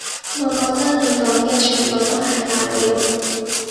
我覺得你講嘅全部都係流料